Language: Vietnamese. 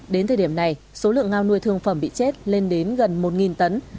đến thời điểm này số lượng ngao nuôi thương phẩm bị chết lên đến gần một tấn